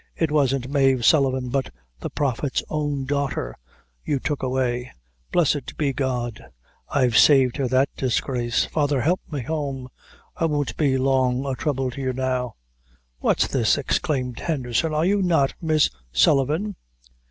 "It wasn't Mave Sullivan, but the Prophet's own daughter, you took away. Blessed be God, I've saved her that disgrace. Father, help me home. I won't be long a throuble to you now." "What's this!" exclaimed Henderson. "Are you not Miss Sullivan?"